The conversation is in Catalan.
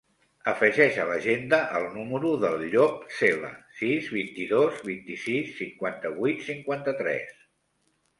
Afegeix a l'agenda el número del Llop Cela: sis, vint-i-dos, vint-i-sis, cinquanta-vuit, cinquanta-tres.